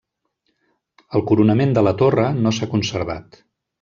El coronament de la torre no s'ha conservat.